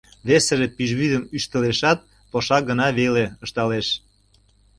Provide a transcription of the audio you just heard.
Весыже пӱжвӱдым ӱштылешат, полша гын веле, ышталеш.